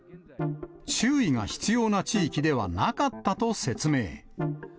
注意が必要な地域ではなかったと説明。